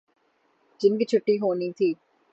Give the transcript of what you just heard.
جن کی چھٹی ہونی تھی۔